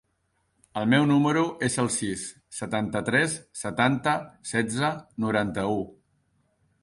El meu número es el sis, setanta-tres, setanta, setze, noranta-u.